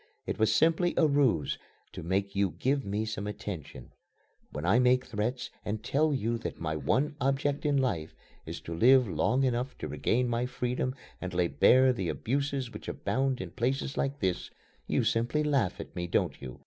It was simply a ruse to make you give me some attention. When I make threats and tell you that my one object in life is to live long enough to regain my freedom and lay bare the abuses which abound in places like this, you simply laugh at me, don't you?